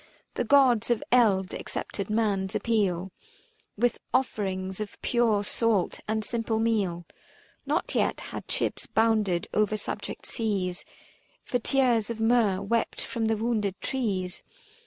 The Gods of eld accepted man's appeal With offerings of pure salt and simple meal. Not yet had ships bounded o'er subject seas 365 For tears of myrrh, wept from the wounded trees.